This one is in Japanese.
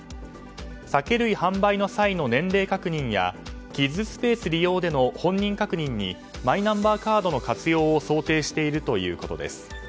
酒類販売の際の年齢確認やキッズスペース利用での本人確認にマイナンバーカードの活用を想定しているということです。